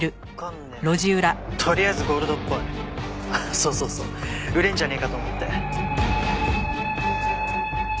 そうそうそう売れんじゃねえかと思って。